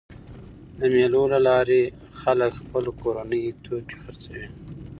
د مېلو له لاري خلک خپل کورني توکي خرڅوي.